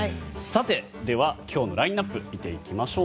今日のラインアップ見ていきましょう。